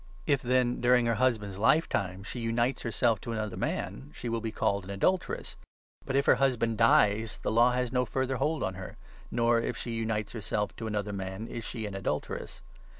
If, then, during 3 her husband's lifetime, she unites herself to another man, she will be called an adulteress ; but, if her husband dies, the law has no further hold on her, nor, if she unites herself to another man, is she an adulteress.